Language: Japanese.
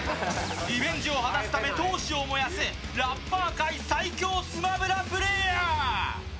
リベンジを果たすため闘志を燃やすラッパー界最強「スマブラ」プレーヤー。